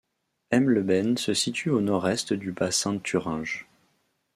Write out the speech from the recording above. Hemleben se situe au nord-est du bassin de Thuringe.